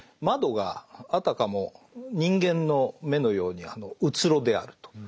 窓があたかも人間の目のようにうつろであると。